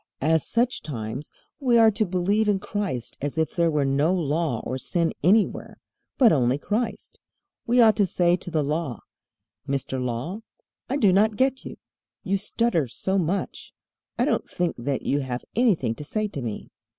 As such times we are to believe in Christ as if there were no Law or sin anywhere, but only Christ. We ought to say to the Law: "Mister Law, I do not get you. You stutter so much. I don't think that you have anything to say to me."